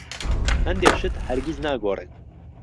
هەندێک شت هەرگیز ناگۆڕێن.